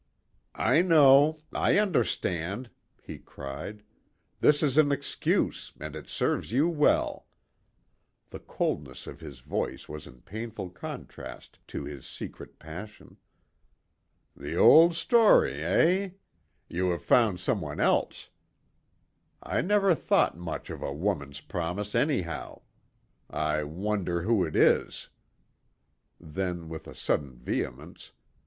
"I know. I understand," he cried. "This is an excuse, and it serves you well." The coldness of his voice was in painful contrast to his recent passion. "The old story, eh? You have found some one else. I never thought much of a woman's promise, anyhow. I wonder who it is." Then with a sudden vehemence.